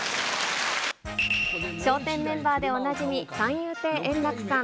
笑点メンバーでおなじみ、三遊亭円楽さん。